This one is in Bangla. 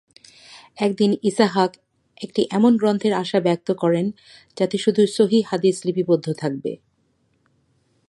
একদিন ইসহাক একটি এমন গ্রন্থের আশা ব্যক্ত করেন যাতে শুধু সহিহ হাদীস লিপিবদ্ধ থাকবে।